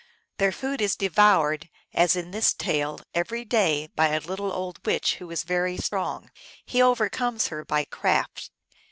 Their food is devoured, as in this tale, every day by a little old witch who is very strong. He overcomes her by craft.